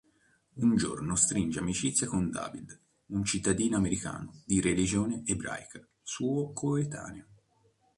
Un giorno stringe amicizia con David, un cittadino americano di religione ebraica suo coetaneo.